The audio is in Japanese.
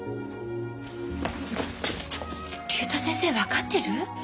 竜太先生分かってる！？